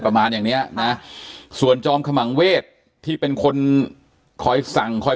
ประมาณอย่างเนี้ยนะส่วนจอมขมังเวทที่เป็นคนคอยสั่งคอย